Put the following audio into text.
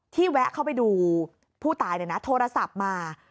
แวะเข้าไปดูผู้ตายเนี่ยนะโทรศัพท์มา